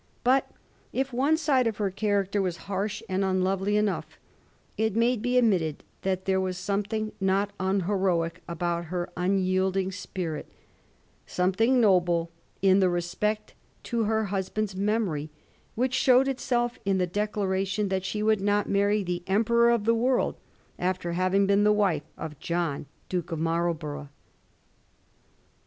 But if one side of her character was harsh and unlovely enough, it may be admitted that there was something not unheroic about her unyielding spirit — something noble in the respect to her husband's memory, which showed itself in the declaration that she would not marry * the emperor of the world,' after having been the wife of John Duke of Marlborough.